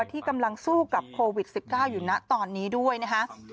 ที่กำลังสู้กับโควิด๑๙อยู่นะตอนนี้ด้วยนะคะ